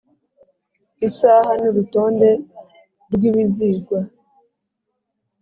Isaha n urutonde rw ibizigwa